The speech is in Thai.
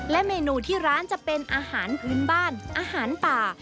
เมนูที่ร้านจะเป็นอาหารพื้นบ้านอาหารป่า